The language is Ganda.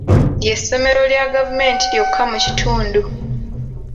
Ly'essomero lya gavumenti lyokka mu kitundu.